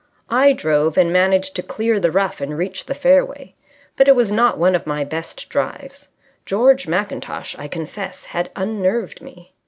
I drove, and managed to clear the rough and reach the fairway. But it was not one of my best drives. George Mackintosh, I confess, had unnerved me.